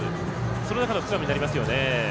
その中のスクラムになりますよね。